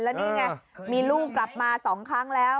แล้วนี่ไงมีลูกกลับมา๒ครั้งแล้ว